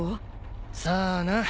さあな。